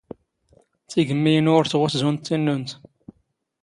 ⵜⵉⴳⵎⵎⵉ ⵉⵏⵓ ⵓⵔ ⵜⵖⵓⵙ ⵣⵓⵏ ⴷ ⵜⵉⵏⵏⵓⵏⵜ.